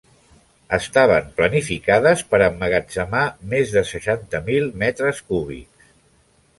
Estaven planificades per emmagatzemar més de seixanta mil metres cúbics.